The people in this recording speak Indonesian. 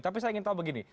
tapi saya ingin tahu begini